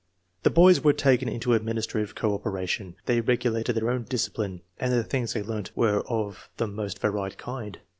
The boys were taken into administrative co operation ; they regulated their own discipline, and the things they learnt were of the most varied kind.